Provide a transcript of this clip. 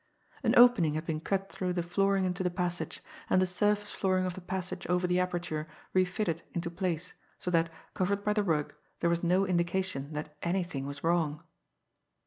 An opening had been cut through the flooring into the passage, and the surface flooring of the passage over the aperture refitted into place, so that, covered by the rug, there was no indication that anything was wrong.